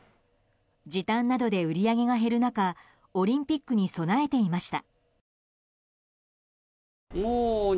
時短などで売り上げが減る中オリンピックに備えていました。